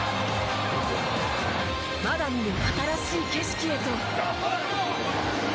まだ見ぬ新しい景色へ。